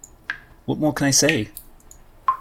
What more can I say?